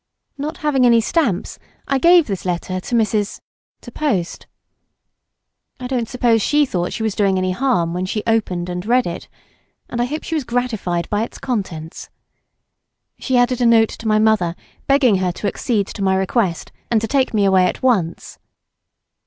Not having any stamps, I gave this letter to Mrs. —— to post. I don't suppose she thought she was doing any harm when she opened and read it, and I hope she was gratified by its contents. She added a note to my mother begging her to accede to my request, and to take me away at once.